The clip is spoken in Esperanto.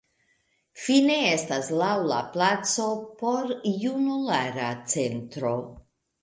Fine estas laŭ la placo Porjunulara Centro.